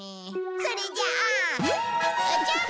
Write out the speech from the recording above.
それじゃあ。